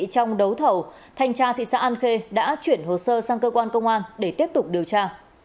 trong đấu thầu thanh tra thị xã an khê đã chuyển hồ sơ sang cơ quan công an để tiếp tục điều tra